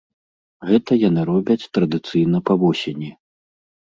Гэта яны робяць традыцыйна па восені.